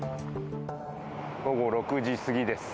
午後６時過ぎです。